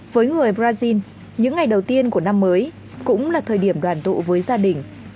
với người brazil những ngày đầu tiên của năm mới cũng là thời điểm đoàn tụ với gia đình